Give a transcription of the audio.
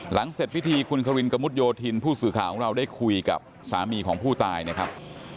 เสร็จพิธีคุณควินกระมุดโยธินผู้สื่อข่าวของเราได้คุยกับสามีของผู้ตายนะครับ